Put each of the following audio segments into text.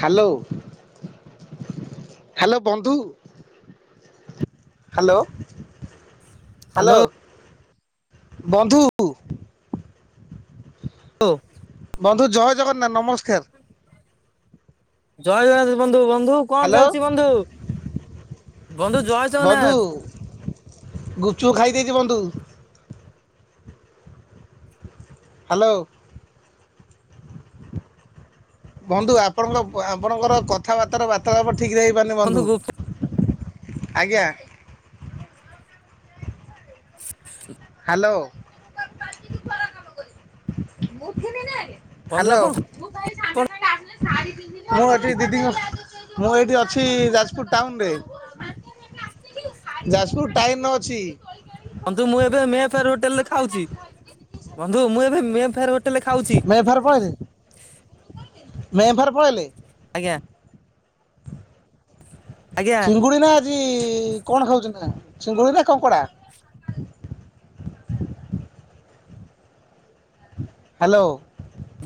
Hello. Hello ବନ୍ଧୁ hello. Hello ବନ୍ଧୁ। ହ [unintelligible] ବନ୍ଧୁ ଜୟ ଜଗନ୍ନାଥ ନମସ୍କାର। ଜୟ ଜଗନ୍ନାଥ ବନ୍ଧୁ ବନ୍ଧୁ କଣ ହ୍ୟାଲୋ ଚାଲିଛି ବନ୍ଧୁ? ବନ୍ଧୁ ଜୟ ଜଗନ୍ନାଥ। ଗୁପଚୁପ ଖାଇ ଦେଇଛି ବନ୍ଧୁ। ହ୍ୟାଲୋ। ବନ୍ଧୁ ଆପଣଙ୍କ ଆପଣଙ୍କର କଥାବାର୍ତ୍ତାର ବାର୍ତ୍ତା ଠିକ୍ ରେ ହେଇପାରୁନି ବନ୍ଧୁ ଗୁପ୍ ବନ୍ଧୁ ଆଜ୍ଞା। ହ [unintelligible] ହ୍ୟାଲ ମୁ ବନ୍ଧୁ ହ୍ୟାଲୋ ଆପଣ ମୁଁ ଏଠି ଦିଦିଙ୍କ ମୁଁ ଏଠି ଅଛି ଯାଜପୁର ଟାଉନରେ। ଯାଜପୁର ଟାଇନରେ ଅଛି। ବନ୍ଧୁ ମୁଁ ଏବେ ମେ ଫେୟାର ହୋଟେଲ ରେ ଖାଉଛି ବନ୍ଧୁ ମୁଁ ଏବେ ମେ ଫେୟାର ହୋ ମେଫାର୍ ପଳେଇଲେ ମେଫାର୍ ପଳେଇଲେ। ଆଜ୍ଞା। ଆଜ୍ଞା ଚିଙ୍ଗୁଡ଼ି ନା ଆଜି କଣ ଖାଉଛନ୍ତି ନା ଚିଙ୍ଗୁଡ଼ି ନା କଙ୍କଡ଼ା। ହ୍ୟାଲୋ।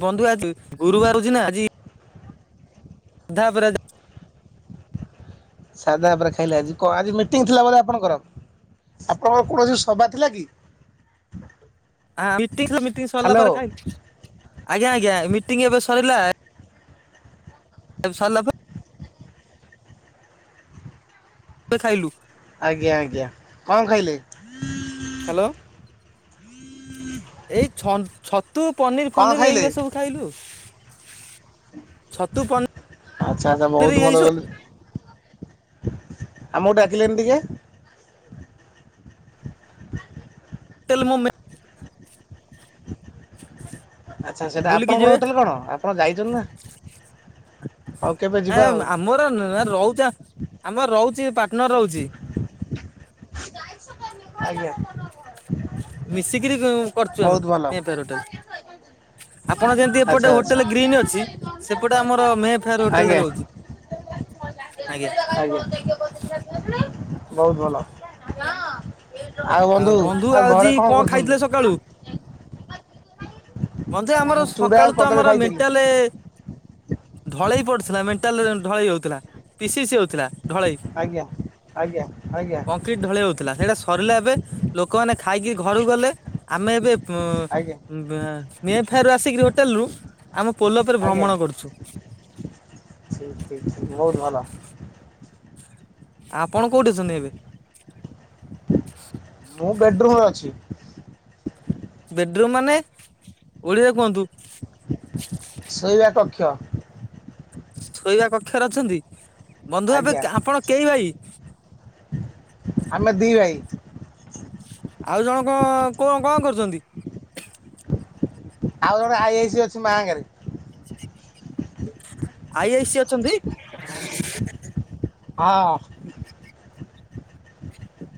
ବନ୍ଧୁ ଆଜି ଗୁରୁବାର ଅଛି ନା ଆଜି ସାଧା ଉପରେ ସାଧା ଭାବରେ ଖାଇଲେ ଆଜି କଣ ଆଜି ମିଟିଂ ଥିଲା ପରା ଆପଣଙ୍କର। ଆପଣଙ୍କର କୌଣସି ସଭା ଥିଲା କି? ମିଟିଂ ମିଟିଂ ସରିଲା ହ୍ୟାଲୋ ପରେ ଖାଇବି ଆଜ୍ଞା ଆଜ୍ଞା ମିଟିଂ ଏବେ ସଇଲା। ଏବେ ସରିଲା ପା ଏବେ ଖାଇଲୁ। ଆଜ୍ଞା ଆଜ୍ଞା କଣ ଖାଇଲେ? ହ୍ୟାଲୋ ଏଇ ଛନ୍ -ଛତୁ ପନିର କଣ ଫନିର ଖାଇଲେ? ଏଇଗୁରା ସବୁ ଖାଇଲୁ। ଛତୁ ପନିର ଆଚ୍ଛା ଆଚ୍ଛା ବହୁତ ଏଇ ଭଲ ସବୁ କଲେ ଆମକୁ ଡାକିଲେନି ଟିକେ? [unintelligible] ତେଲମମେ [unintelligible] ଆଚ୍ଛା ଆଛା। ସେଇଟା ବୁଲିକି ଆପଣଙ୍କର ଯିବେ ହୋଟେଲ କଣ? ଆପଣ ଯାଇଛନ୍ତି ନା? ହଉ କେବେ ଯିବା ଆଉ। ଆଜ୍ଞା ଆମର ରହୁଛି। ଆମର ରହୁଛି, ପାଟନର ରହୁଛି। ଆଜ୍ଞା। ମିଶିକିରି, କରୁଛୁ ଆମେ। ବହୁତ ଭଲ। Mayfair hotel. ଆପଣ ଯେମିତି ଆଚ୍ଛା ଏପଟେ ଆଚ୍ଛା। ହୋଟେଲ ଗ୍ରୀନ୍ ଅଛି। ସେପଟେ ଆମର ମେ ଫେୟାର ହୋଟେଲରେ ରହୁଛି। [unintelligible] ବହୁତ ଭଲ। ଆଉ ବନ୍ଧୁ ଆଉ ଘରେ କଣ କରୁଛନ୍ତି? ଅଜା ଆମର ମୁଁ ଚୁଡ଼ା ଆଉ ସକାଳୁ ତ କଦଳୀ ଆମର ଖାଇଥିଲି। ମେଣ୍ଟାଲେ ଢଳେଇ ପଡିଥିଲା, ମେଣ୍ଟାଲରେ ଢଳେଇ ହଉଥିଲା। ପି ସି ସି ହୋଉ ଥିଲା। ଢଳେଇ, ଆଜ୍ଞା ଆଜ୍ଞା ଆଜ୍ଞା କଂକ୍ରିଟ ଢଳେଇ ହଉଥିଲା। ସେଇଟା ସରିଲା ଏବେ। ଲୋକମାନେ ଖାଇକି ଘରୁକୁ ଗଲେ, ଆମେ ଏବେ ଆଜ୍ଞା ଉ-ଫେୟାର ରୁ ଆସି କି, ହୋଟେଲ ରୁ ଆମ ପୋଲ ଉପରେ ଆଜ୍ଞା ଭ୍ରମଣ କରୁଛୁ। ଠିକ୍ ଠିକ୍ ବହୁତ ଭଲ। ଆପଣ କୋଉଠି ଅଛନ୍ତି ଏବେ? ମୁଁ ବେଡ଼ରୁମ୍ ରେ ଅଛି। ବେଡରୁୁମ୍ ମାନେ? ଓଡିଆ କୁହନ୍ତୁ। ପକ୍ଷ। ଶୋଇବା କକ୍ଷରେ ଅଛନ୍ତି। ବନ୍ଧୁ ଏବେ ଆଜ୍ଞା ଆପଣ କେହି ଭାଇ? ଆମେ ଦି ଭାଇ। ଆଉ ଜଣ କ-କୋ, କଣ କରୁଛନ୍ତି? ଆଉ ଗୋଟେ ଆଇ ଆଇ ସି ଅଛି, ମାଙ୍କରେ। ଆଇ ଆଇ ସି ଅଛନ୍ତି? [inaudible] ହଁ।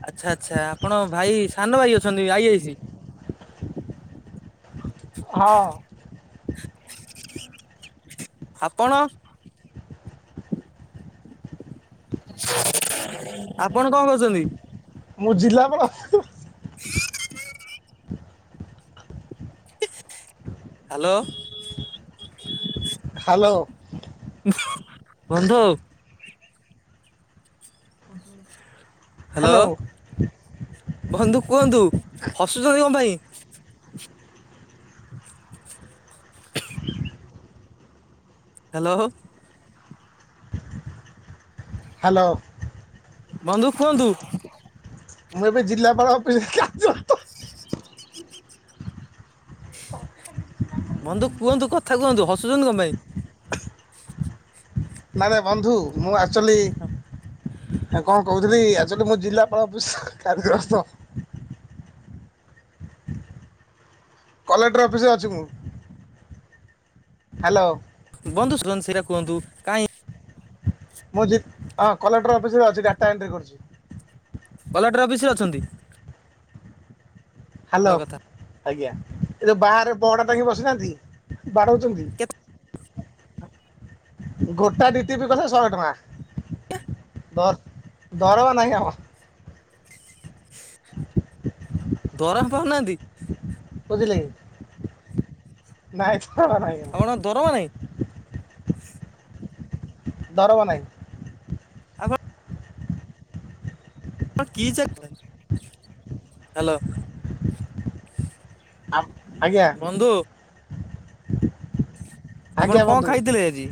ଆଚ୍ଛା ଆଚ୍ଛା। ଆପଣ ଭାଇ, ସାନ ଭାଇ ଅଛନ୍ତି, ଆଇ ଆଇ ସି। [inaudible] ହଁ। ଆପଣ? ଆପଣ କଣ କରୁଛନ୍ତି? ମୁଁ ଜିଲାପାଳ। [inaudible] [inaudible] ହାଲୋ। ହାଲୋ। ବନ୍ଧୁ। ହାଲୋ। ହ୍ୟାଲୋ ବନ୍ଧୁ କୁହନ୍ତୁ? ହସୁଛନ୍ତି କଣ ପାଇଁ? [inaudible] [inaudible] ହାଲୋ। ହାଲୋ। ବନ୍ଧୁ କୁହନ୍ତୁ? ମୁ ଏବେ ଜିଲ୍ଲାପାଳ ଅଫିସ ବନ୍ଧୁ କୁହନ୍ତୁ? କଥା କୁହନ୍ତୁ? ହସୁଛନ୍ତି କଣ ପାଇଁ? ମାନେ ବନ୍ଧୁ ମୁଁ ଆକ୍ଚୁଆଲି ଆ, କଣ କହୁଥିଲି କି, ଆକ୍ଚୁଆଲି ମୁ ଜିଲ୍ଲାପାଳ ଅଫିସ୍ ରେ କାଯ୍ୟଗସ୍ତ। କଲେକ୍ଟର ଅଫିସ୍ ରେ ଅଛି ମୁଁ। ହାଲୋ। ବନ୍ଧୁ ଶଧନ ସେଇଟା କୁହନ୍ତୁ କାହିଁ ମୁଁ ଜିଦ୍ ହଁ କଲେକ୍ଟର ଅଫିସିରେ ଅଛି ଗାଡ଼ିଟା ଏଣ୍ଟ୍ରି କରୁଛି। କଲେକ୍ଟର ଅଫିସିରେ ଅଛନ୍ତି? ହ୍ୟାଲୋ ଭଲ କଥା। ଆଜ୍ଞା ଏ ଯୋଉ ବାହାରେ ବଡ ଟାଙ୍କି ବସିନାହାନ୍ତି? ବାଡଉଛନ୍ତି। କେତେ ଗୋଟା ଦିଟ୍ରୀର୍ପି କଲେ ଶହେ ଟଙ୍କା। ଦ ଦରମା ନାହିଁ ଆମର। ଦରମ ପାଉନାହାନ୍ତି? ବୁଝିଲେ କି ନାହି ଦରମା ନାହିଁ ଆମର। ଆପଣ ଦରମା ନାହିଁ [inaudible] ଦରମା ନାହିଁ। ଆଗରୁ କିଚାକେଲେନେ ହ୍ୟାଲୋ। ଆ‌ପ ଆଜ୍ଞା। ବନ୍ଧୁ ଆପଣ ଆଜ୍ଞା କଣ ବନ୍ଧୁ ଖାଇଥିଲେ ଆଜି?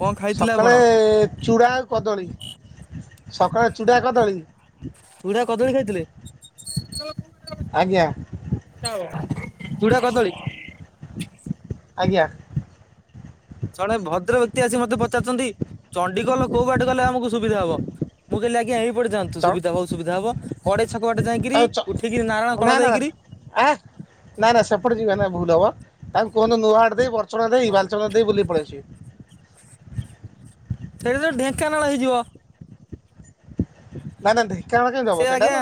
କଣ ଖାଇଥିଲେ ସକାଳେ ଆପଣ? ଚୂଡ଼ା ଆଉ କଦଳୀ। ସକାଳେ ଚୁଡ଼ା କଦଳୀ। ଚୁଡା କଦଳୀ ଖାଇଥିଲେ? ଆଜ୍ଞା ଚୂଡ଼ା କଦଳୀ। ଆଜ୍ଞା। ପଚାରୁ ଚନ୍ତି ଚଣ୍ଡିଖୋଲ କୋଉ ବାଟେ ଗଲେ ଆମକୁ ସୁବିଧା ହବ ମୁଁ କହିଲି ଆଜ୍ଞା ହେଇି କୁଆଡେ ଚ ଯାଆନ୍ତୁ ସୁବିଧା ହଉ ବହୁତ ସୁବିଧା ହବ କଡେଇ ଛକ ବାଟେ ଯାଇକିରି ଉଠିକିରି ନାରୟଣ କଳ ଦେଇକରି ହେ ନାଁ ନା ସେପଟେ ଯିବା। ଭୁଲ ହବ ତାଙ୍କୁ କୁହନ୍ତୁ ନୂଆ ହାଟ ଦେଇ ବର୍ଚ୍ଚଣା ଦେଇ ବାଲିଚଦ୍ରର ଦେଇ ବୁଲିକି ପଳେଇଆସିବେ। ସେଠି ତ ଢେଙ୍କାନାଳ ହେଇଯିବ। ନାଁ ନାଁ ଡେକେ ସେ ଆଜ୍ଞା,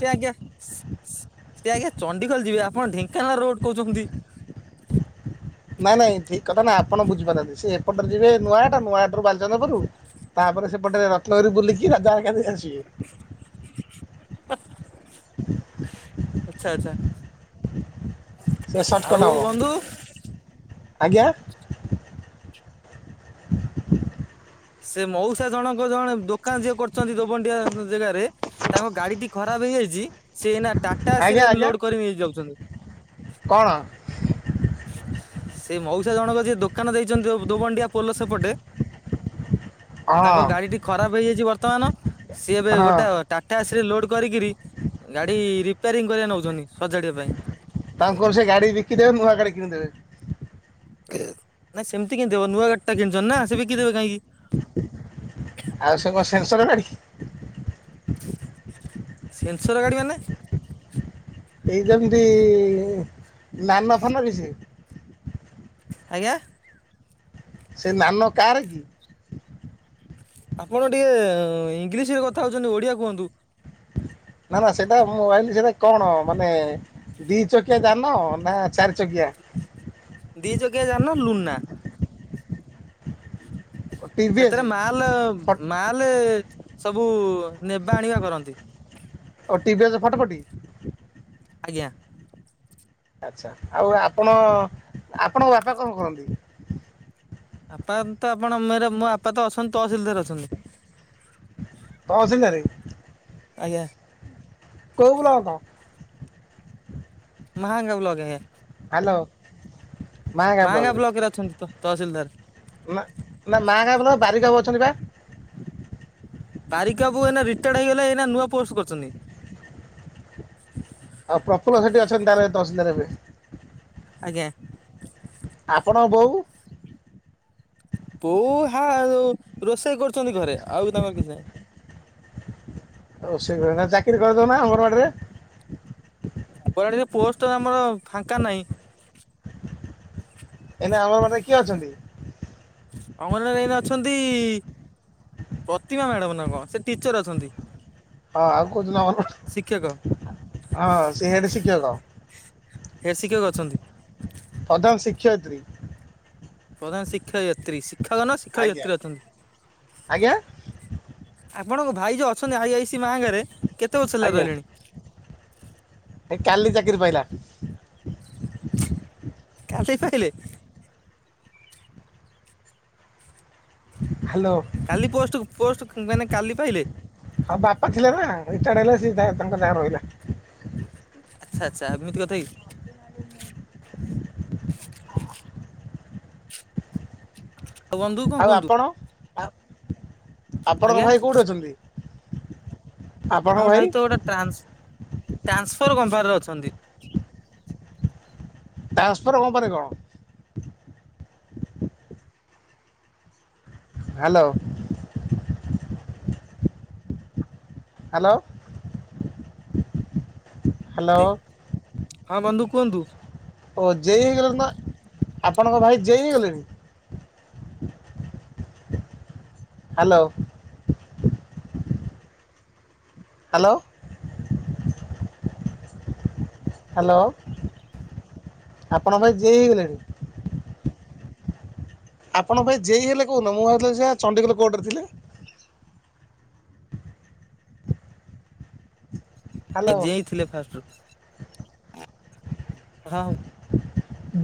ସେ ଆଜ୍ଞା, ସେ ସେ ଆଜ୍ଞା ଚଣ୍ଡିଖୋଲ ଯିବା। ଆପଣ ଢେଙ୍କାନାଳ ରୋଡ କହୁଛନ୍ତି। ନାଇଁ ନାଇଁ ଠିକ କଥା ନାଇଁ ଆପଣ ବୁଝିପାରିନାହାନ୍ତି ସେ ଏପଟରେ ଯିବେ ନୂଆଟା ନୂଆଟରୁ ବାଲଚନ୍ଦ୍ରପୁର୍ ତାପରେ ସେପଟେ ରତ୍ନଗରିୀ ବୁଲିକି ରାଜା ଗାଇ କାଲିଆସିବେ। ଆଚ୍ଛା ଆଚ୍ଛା ସେ ଆଉ ସର୍ଟକଟ ହବ। ବନ୍ଧୁ ଆଜ୍ଞା? ସେ ମୋଉସା ଜଣଙ୍କ ଜଣେ ଦୋକାନ ଯିଏ କରୁଛନ୍ତି ଦୋବଣ୍ଡିଆ ଜାଗାରେ ତାଙ୍କ ଗାଡିଟି ଖରାପ ନେଇଯାଇଛି ସେଇନା ଆଜ୍ଞା ଟାଟାଏସିରେ ଆଜ୍ଞା ଲୋଡ କରିି ନେଇ ଯାଉଛନ୍ତି। କଣ? ସେ ଜଣକ ଯିଏ ଦୋକାନ ଦେଇଛନ୍ତି ଦୋ ଦୋବଣ୍ଡିଆ ପୋଲ ସେପଟେ। ଅ। ତାଙ୍କ ଗାଡିଟି ଖରାପ ହେଇଯାଇଛି ବର୍ତ୍ତମାନ ସିଏ ଏବେ ହଁ ଗୋଟେ ଟାଟାଏସିରେ ଲୋଡ କରିକିରି ଗାଡି ରିପାରିଂ କରିବାକୁ ନେଉଛନ୍ତି। ତାଙ୍କୁକହିବୁ ସେ ଗାଡି ବିକିଦେବେ ନୂଆ ଗାଡି କିଣିଦେବେ। ଏଉ ନାଇଁ ସେମିତି କେମିତି ହବ ନୂଆଗାଡି ଟା କିଣିଛନ୍ତି ନା ସେ ବିକି ଦେବେ କାହିଁକି? ଆଉ ସେ କଣ ସେନ୍ସର ଗାଡି ସେନ୍ସର ଗାଡି ମାନେ? ଏଇ ଯେମତି ନା ନୋ ଫାନ କି ସେ? ଆଜ୍ଞା। ସେ ନାନୋ କାର କି? ଆପଣ ଟିକେ ଇଂଲିସିରେ କଥା ହଉଛନ୍ତି ଓଡିଆ କୁହନ୍ତୁ? ନାବା ସେଏଟା ମୁଁ କହିଲି ସେଟା କଣ ମାନେ ଦିଚକିଆ ଯା ନ ନା ଚାରି ଚକିଆ? ଦି ଚକିଆ ଯାନ ଲୁନା। ଟିଭିଏସ୍ ସେଥିରେ ମାଲ ମାଲ ସବୁ ନେବା ଆଣିବା କରନ୍ତି। ଟିଭିିଆଚ ଫଟଫଟି। ଆଜ୍ଞା। ଆଛା, ଆଉ ଆପଣ ଆପଣଙ୍କ ବାପା କଣ କରନ୍ତି? ବାପା ତ ଆପଣ ମର ମୋ ବାପା ତ ଅଛନ୍ତି ତହ ସିଲଦାର ଅଛନ୍ତି। ତହସିଲଦାର ଆଜ୍ଞା କଉ ବୁଲା କଥା। ମହାଙ୍ଗା ବ୍ଲଗ ହେ ହାଲୋ ମାହାଗା ମାହାଙ୍ଗା ବ୍ଲକ ରେ, ଅଛନ୍ତି ତ ତହସିଲଦାର ମାହାଗା ଆମ ବାରିିକବାକୁ ଅଛନ୍ତି ପା ବାରିକ ବାବୁ ଏଇନା ରିଟାୟଡ ହେଇଗଲେ, ଏଇନା ନୂଆ ପୋଷ୍ଟ କରଛନ୍ତି। ଆଉ ପ୍ରଫୁଲ୍ଲ ସେଠି ଅଛନ୍ତି ତାହାଲେ ଦଶନ୍ଦା ରେ ଏବେ ଆଜ୍ଞା ଆପଣ ବୋଉ ବୋଉ ହାଉ ରୋଷେଇ କରୁଛନ୍ତି ଘରେ, ଆଉ ତାଙ୍କର କିଛି ନାହି। ଚାକିରି କରେଇଦଉନା ଅଙ୍ଗନବାଡିରେ ଅଙ୍ଗନବାଡିରେ ପୋଷ୍ଟ ଆମର ଫାଙ୍କା ନାହିଁ। ଏଇନା ଅଙ୍ଗନ ବାଡ଼ିରେ କିଏ ଅଛନ୍ତି? ଅଙ୍ଗନବାଡ଼ିରେ ଏଇନା ଅଛନ୍ତି ପ୍ରତିମା ମ୍ୟାଡମ ନା କଣ? ସେ ଟିଚର ଅଛନ୍ତି। ହଉ ଆଉ କଉଦିନ ଶିକ୍ଷକ ଅଙ୍ଗନ ହଁ ସେ ହେଡଶିକ୍ଷକ ହେଡ ଶିକ୍ଷକ ଅଛନ୍ତି। ଶିକ୍ଷୟତ୍ରୀ ପ୍ରଧାନଶିକ୍ଷୟତ୍ରୀ, ଶିକ୍ଷକ ନା ଆଜ୍ଞା। ଶିକ୍ଷୟତ୍ରୀ ଅଛନ୍ତି। ଆଜ୍ଞା ଆପଣଙ୍କ ଭାଇ ଯେଉ ଅଛନ୍ତି ଆଇ ଆଇ ସି ମାହାଙ୍ଗାରେ, କେତେ ବର୍ଷ ହେଲା ରହିଲେଣି? ଏଇ କାଲି ଚାକିରି ପାଇଲା। କାଲି କହିଲେ? ହାଲୋ କାଲି ପୋଷ୍ଟ ପୋଷ୍ଟ ମାନେ କାଲି ପାଇଲେ? ହଁ ବାପା ଥିଲେ ନା ରିଟର୍ଡ ହେଲେ ସେ ତାଙ୍କ ନା ରହିଲା। ଆଛା ଆଛା ଏମିତି କଥା କି? ଆଉ ବନ୍ଧୁ କଣ କୁହନ୍ତୁ? ଆପଣଙ୍କ ଆଜ୍ଞା ଭାଇ କୋଉଠି ଅଛନ୍ତି? ଆମ ଭାଇ ତ ଗୋଟୋ ଟ୍ରାନ୍ସଫର କମ୍ପାନୀରେ ଅଛନ୍ତି ଟ୍ରାନ୍ସଫର୍ କମ୍ପାନୀ କଣ? ହାଲୋ ହାଲୋ ହାଲୋ ହଁ ବନ୍ଧୁ କୁହନ୍ତୁ? ଓ ଜେଇ ହେଇଗଲେଣି ନା? ଆପଣଙ୍କ ଭାଇ ଜେଇ ହେଇଗଲେଣି? [unintelligible] ହାଲୋ ହାଲୋ ହାଲୋ, ଆପଣଙ୍କ ଭାଇ ଜେ ଇ ହେଇଗଲେଣି? ଆପଣଙ୍କ ଭାଇ ଜେ ଇ ହେଲେ କଉଦିନ, ମୁଁ ଭାବଥିଲି ସେ ଚଡିଗୋଲ କୋର୍ଟରେ ଥିଲେ। ହ୍ୟାଲୋ ଜେ ଇ ଥିଲେ ଫାଷ୍ଟରୁ ହଁ ହଉ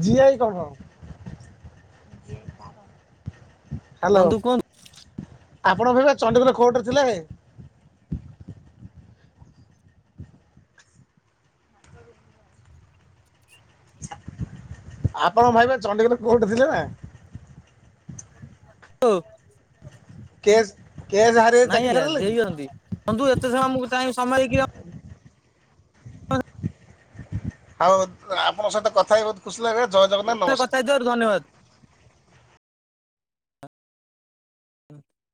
ଜିଆଇ କଣ? ହ୍ୟାଲୋ ବନ୍ଧୁ କୁହନ୍ତ ଆପଣ ଭାଇ ବା ଚଣ୍ଡିଖୋଲ ଖୋର୍ଟରେ ଥିଲେ? ଆପଣ ଭାଇ ବା ଚଣ୍ଡିଖୋଲ କୋର୍ଟ ଥିଲେ ନା? ଲୋ। କେସ୍ କେସ୍ ହାରିଏ ନାଇଁ ଚାକିରି ଆଜ୍ଞା ଛାଡ଼ିଲେ କି ଦେଇଛନ୍ତି ବନ୍ଧୁ ଏତେ ସମୟ ଆମକୁ କାଇଁ ସମୟ କିଓ? ହଉ ଆପଣଙ୍କ ସହିତ କଥା ହେଇ ବହୁତ ଖୁସି ଲାଗେ କଥା ହେଇଥିବାରୁ ଧନ୍ୟବାଦ। ହଁ